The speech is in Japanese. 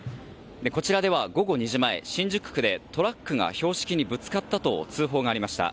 こちらでは午後２時前、新宿区でトラックが標識にぶつかったと通報がありました。